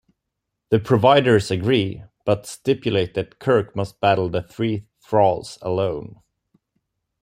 The Providers agree, but stipulate that Kirk must battle the three Thralls alone.